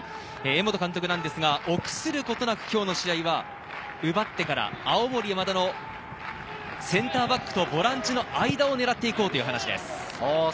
江本監督ですが臆することなく、今日の試合は奪ってから青森山田のセンターバックとボランチの間を狙っていこうという話です。